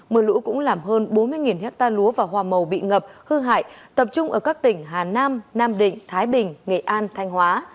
mưa lũ cũng làm hơn bốn mươi hectare lúa và hoa màu bị ngập hư hại tập trung ở các tỉnh hà nam nam định thái bình nghệ an thanh hóa